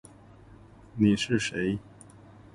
我们的合作方有如下几类：